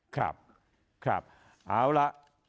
ครับครับเอาละ